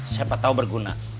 siapa tahu berguna